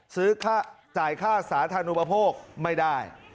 ซื้อสายค่าสารธนุปโภคไม่ได้